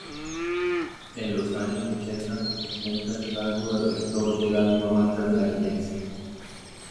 En los años ochenta, ostenta el cargo de Rector del Alma Máter nariñense.